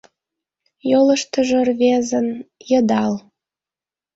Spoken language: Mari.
Йолыштыжо рвезын — йыдал.